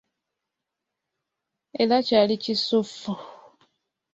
Era kyali kisuffu!